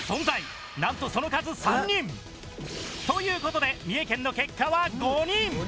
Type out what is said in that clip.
なんとその数３人。という事で三重県の結果は５人。